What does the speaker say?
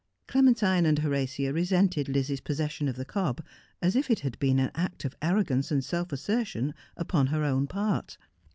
Clementine and Horatia resented Lizzie's possession of the cob as if it had been an act of arrogance and self assertion upon her own part.